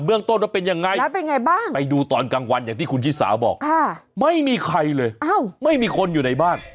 เรื่องต้นว่าเป็นยังไงแล้วเป็นไงบ้างไปดูตอนกลางวันอย่างที่คุณชิสาบอกไม่มีใครเลยไม่มีคนอยู่ในบ้าน